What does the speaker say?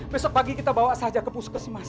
besok pagi kita bawa saja ke puskes mas